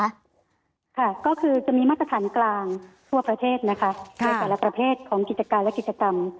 ค่ะก็คือจะมีมาตรฐานกลางทั่วประเทศนะคะในแต่ละประเภทของกิจการและกิจกรรม